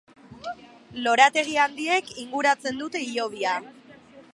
Lorategi handiek inguratzen dute hilobia.